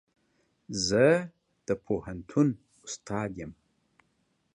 زه د پوهنتون استاد يم.